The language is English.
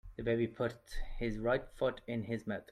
The baby puts his right foot in his mouth.